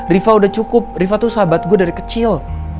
riva udah cukup riva tuh sahabat gue dari kecil